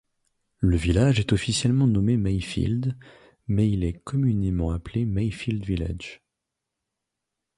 Le village est officiellement nommé Mayfield, mais il est communément appelé Mayfield Village.